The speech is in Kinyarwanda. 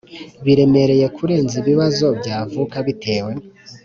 biremereye kurenza ibibazo byavuka bitewe